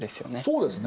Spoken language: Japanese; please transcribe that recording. そうですね。